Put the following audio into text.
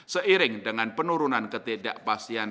seiring dengan penurunan ketidakpastian